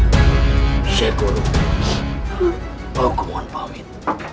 sekurang kurangnya aku mau pahit